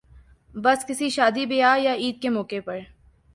بس کسی شادی بیاہ یا عید کے موقع پر